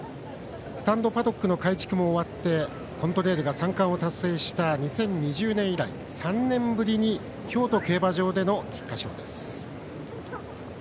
スタンド、パドックの改築も終わってコントレイルが三冠を達成した２０２０年以来３年ぶりに京都競馬場での菊花賞です。